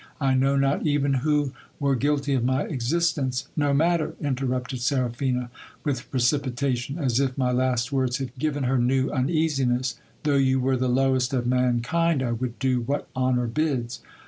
I know not even who were guilty of my existence. No matter, inter rupted Seraphina, with precipitation, as if my last words had given her new uneasiness, though you were the lowest of mankind I would do what honour bids.